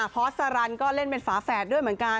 พอสรันก็เล่นเป็นฝาแฝดด้วยเหมือนกัน